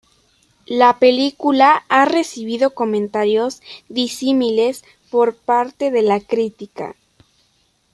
La película ha recibido comentarios disímiles por parte de la crítica.